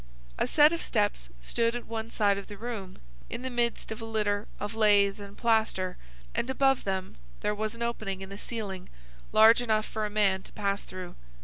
A set of steps stood at one side of the room, in the midst of a litter of lath and plaster, and above them there was an opening in the ceiling large enough for a man to pass through.